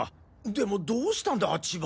でもどうしたんだ千葉